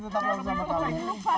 tetap lagi sama kami